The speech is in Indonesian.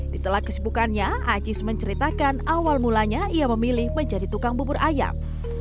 di setelah kesibukannya aziz menceritakan awal mulanya ia memilih menjadi tukang bubur ayam